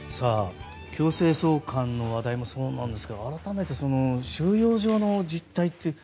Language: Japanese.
強制送還の話題もそうなんですが改めて収容所の実態って。